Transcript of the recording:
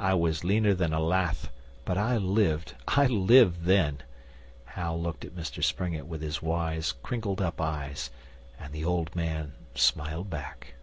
I was leaner than a lath, but I lived I lived then!' Hal looked at Mr Springett with his wise, crinkled up eyes, and the old man smiled back.